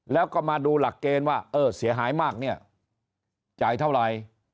แล้วก็มาดูหลักเกณฑ์ว่าเออเสียหายมากเนี่ยจ่ายเท่าไหร่